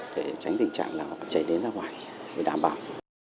để tránh tình trạng cháy nến ra ngoài để đảm bảo